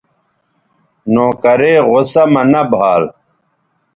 نوکرے غصہ مہ نہ بھال